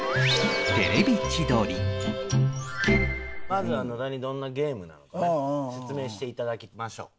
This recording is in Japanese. まずは野田にどんなゲームなのかね説明して頂きましょう。